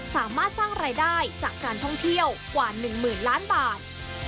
สามารถสร้างรายได้จากการท่องเที่ยวกว่า๑หมื่นล้านบาท